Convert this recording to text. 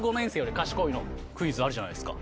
クイズあるじゃないですか？